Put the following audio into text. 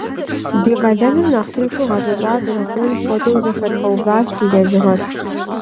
Ди къалэныр нэхъ тыншу гъэзэщӏа зэрыхъуным хуэдэу зэхэдгъэуващ ди лэжьыгъэр.